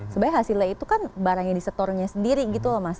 sebenarnya hasilnya itu kan barang yang disetornya sendiri gitu loh mas